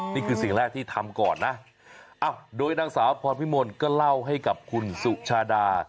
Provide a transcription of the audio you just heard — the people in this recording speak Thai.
นี่คือสิ่งแรกที่ทำก่อนนะอ้าวโดยนางสาวพรพี่มนต์ก็เล่าให้กับคุณสุชาดา